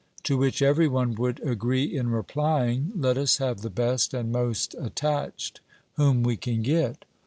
To which every one would agree in replying, Let us have the best and most attached whom we can get.